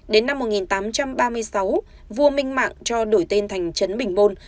đến năm một nghìn tám trăm ba mươi sáu vua minh mạng cho đổi tên thành trấn bình bôn